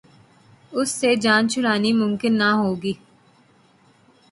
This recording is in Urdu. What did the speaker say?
اس سے جان چھڑانی ممکن نہ ہوگی۔